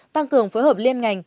tăng cường phối hợp liên ngành